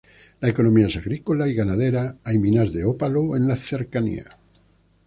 La economía es agrícola y ganadera, hay minas de ópalo en le cercanía.